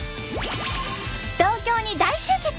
東京に大集結！